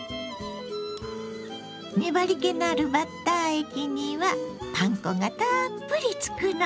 粘りけのあるバッター液にはパン粉がたっぷりつくの。